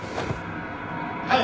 はい！